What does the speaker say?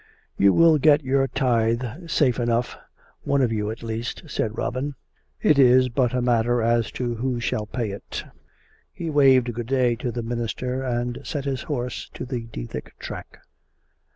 " You will get your tithe safe enough — one of you, at least," said Robin. " It is but a matter as to who shall pay it." He waved good day to the minister and set his horse to the Dethick track.